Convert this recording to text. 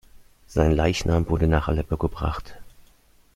Sein Leichnam wurde nach Aleppo gebracht.